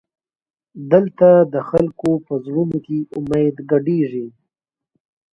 دلته د خلکو په زړونو کې امید ګډېږي.